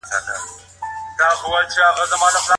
د چاپیریال ساتنې په برخه کي نړیوال فعالیتونه ډیر مهم دي.